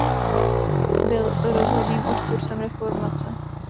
Byl rozhodným odpůrcem reformace.